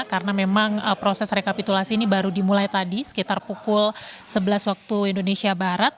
karena memang proses rekapitulasi ini baru dimulai tadi sekitar pukul sebelas waktu indonesia barat